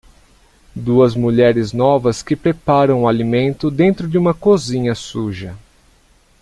Duas mulheres novas que preparam o alimento dentro de uma cozinha suja.